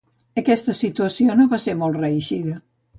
Aquesta situació no va ser molt reeixida.